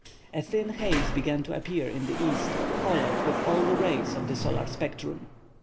A thin haze began to appear in the east, colored with all the rays of the solar spectrum.